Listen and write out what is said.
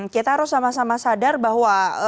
kita harus sama sama sadar bahwa